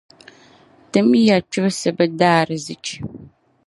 Tim ya kpibsi bɛ daarzichi.